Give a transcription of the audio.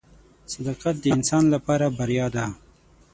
• صداقت د انسان لپاره بریا ده.